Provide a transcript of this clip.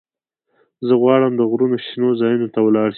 زه غواړم د غرونو شنو ځايونو ته ولاړ شم.